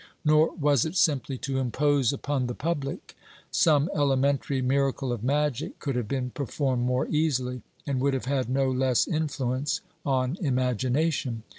Nor was it simply to impose upon the public; some elementary miracle of magic could have been performed more easily, and would have had no less influence on imagination.